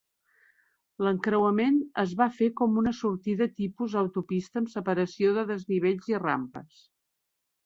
L'encreuament es va fer com una sortida tipus autopista amb separació de desnivells i rampes.